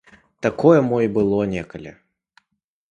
Такое мо і было некалі.